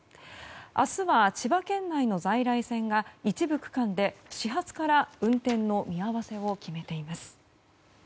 明日は千葉県内の在来線が一部区間で始発から運転の見合わせを決めています。